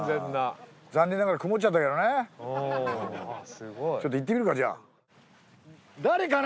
すごいちょっと行ってみるかじゃあ誰かな？